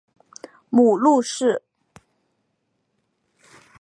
母陆氏。